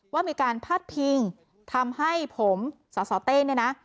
ว่ามีการพาดพิงทำให้ผมสสเต้ยังโม